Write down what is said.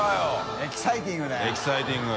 エキサイティング。